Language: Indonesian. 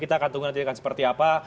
kita akan tunggu nanti akan seperti apa